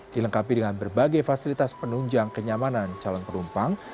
dilengkapi dengan berbagai fasilitas penunjang kenyamanan calon penumpang